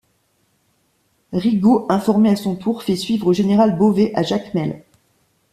Rigaud, informé à son tour, fait suivre au général Beauvais à Jacmel.